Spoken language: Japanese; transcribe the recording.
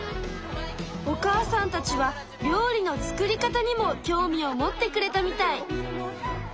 お母さんたちは料理の作り方にも興味を持ってくれたみたい。